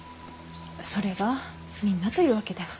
それがみんなというわけでは。